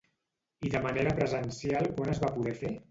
I de manera presencial quan es va poder fer?